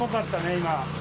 今。